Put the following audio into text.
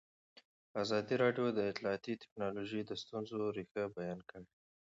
ازادي راډیو د اطلاعاتی تکنالوژي د ستونزو رېښه بیان کړې.